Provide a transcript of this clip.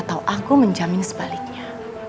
atau aku menjamin sebaliknya